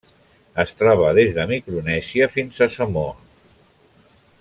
Es troba des de Micronèsia fins a Samoa.